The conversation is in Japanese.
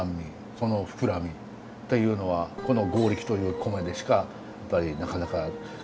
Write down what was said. その膨らみというのはこの強力という米でしかやっぱりなかなか表現できないという。